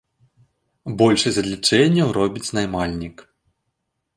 Большасць адлічэнняў робіць наймальнік.